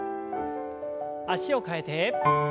脚を替えて。